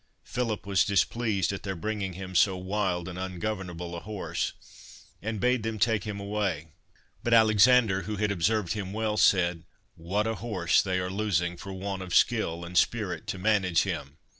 Philip was displeased at their bringing him so wild and ungovernable a horse, and bade them take him away. But Alexander, who had observed him well, said, ' What a horse are they losing for want of skill and spirit to manage him